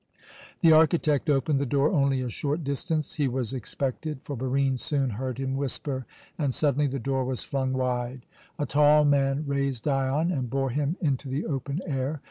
The architect opened the door only a short distance; he was expected, for Barine soon heard him whisper, and suddenly the door was flung wide. A tall man raised Dion and bore him into the open air.